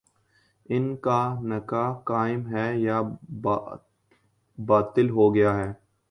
ان کا نکاح قائم ہے یا باطل ہو گیا ہے؟